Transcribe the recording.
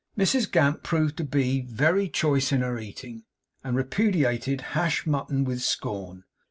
Mrs Gamp proved to be very choice in her eating, and repudiated hashed mutton with scorn.